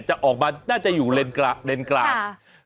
จะออกมาน่าจะอยู่เลนกลาง